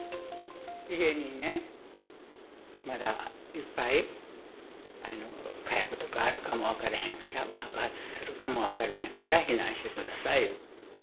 家にね、まだいっぱい火薬とかあるかも分からへんから、爆発するかも分からへんから、避難してください。